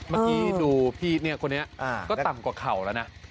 เมื่อกี้ดูพี่เนี่ยคนนี้ก็ต่ำกว่าเข่าแล้วนะ